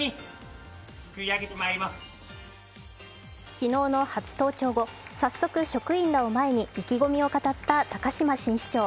昨日の初登庁後、早速職員らを前に意気込みを語った高島新市長。